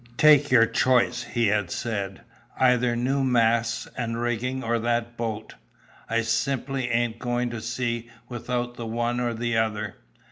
"Take your choice," he had said; "either new masts and rigging or that boat. I simply ain't going to sea without the one or the other.